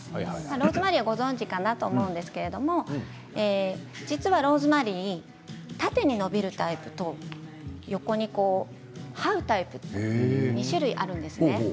ローズマリーはご存じかなと思うんですが実はローズマリーは縦に伸びるタイプと横にはうタイプと２種類あるんです。